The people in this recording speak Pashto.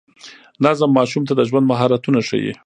نظم ماشوم ته د ژوند مهارتونه ښيي.